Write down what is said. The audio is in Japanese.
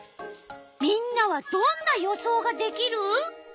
みんなはどんな予想ができる？